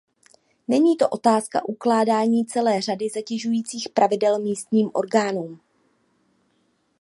Není to otázka ukládání celé řady zatěžujících pravidel místním orgánům.